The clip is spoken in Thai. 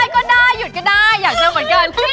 ก็ได้หยุดก็ได้อยากเจอเหมือนกัน